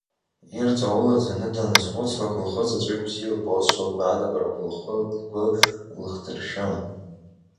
Ирҵаулаӡаны даназхәыцлак, лхы заҵәык бзиа илбозшәа, лгәаанагарақәа лгәы лыхдыршәон.